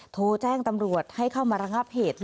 โทรแจ้งตำรวจให้เข้ามาระงับเหตุ